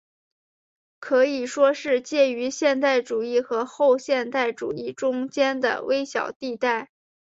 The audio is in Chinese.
可以说是介于现代主义和后现代主义中间的微小地带。